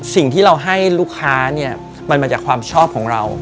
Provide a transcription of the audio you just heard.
สิ่งที่เราให้ลูกค้าเนี่ยมันมาจากความชอบของเรา